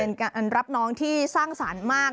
เป็นการรับน้องที่สร้างสรรค์มาก